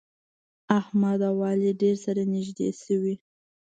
احمد او علي ډېر سره نږدې شوي.